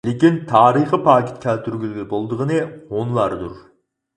لېكىن تارىخىي پاكىت كەلتۈرگىلى بولىدىغىنى ھونلاردۇر.